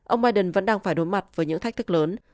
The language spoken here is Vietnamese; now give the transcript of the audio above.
ông biden vẫn đang phải đối mặt với những thách thức lớn